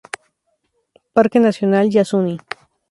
Parque Nacional Yasuní.